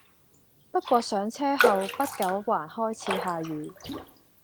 不過上車後不久還開始下雨